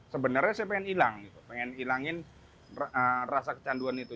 sebenarnya saya pengen hilang gitu pengen hilangin rasa kecanduan itu